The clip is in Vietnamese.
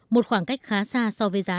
một khoảng cách khá xa so với giá